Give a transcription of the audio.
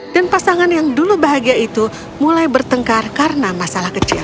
pasangan yang dulu bahagia itu mulai bertengkar karena masalah kecil